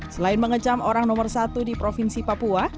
selain mengecam orang nomor satu di provinsi papua